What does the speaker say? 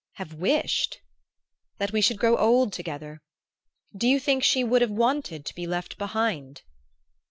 "Have wished?" "That we should grow old together. Do you think she would have wanted to be left behind?"